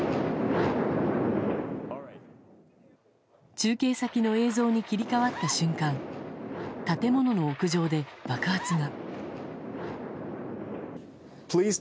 中継先の映像に切り替わった瞬間建物の屋上で、爆発が。